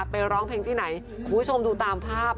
ร้องเพลงที่ไหนคุณผู้ชมดูตามภาพ